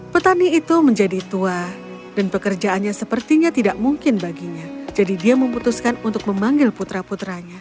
petani itu menjadi tua dan pekerjaannya sepertinya tidak mungkin baginya jadi dia memutuskan untuk memanggil putra putranya